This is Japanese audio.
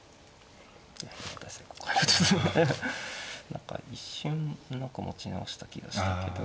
何か一瞬何か持ち直した気がしたけど。